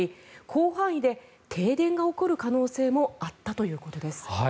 広範囲で停電が起こる可能性もあったということです。